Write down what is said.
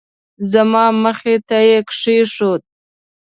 زما مخې ته یې کېښود.